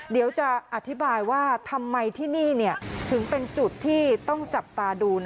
เดี๋ยวจะอธิบายว่าทำไมที่นี่ถึงเป็นจุดที่ต้องจับตาดู